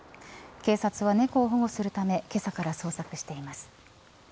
警察は猫を保護するためけさから捜索しています。